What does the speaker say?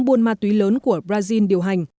buôn ma túy lớn của brazil điều hành